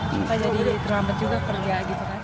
bukan jadi terlambat juga pergian gitu kan